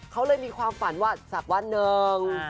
เขาเลยมีความฝันว่าสักวันหนึ่ง